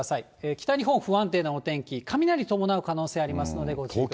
北日本、不安定なお天気、雷伴う可能性ありますので、ご注意ください。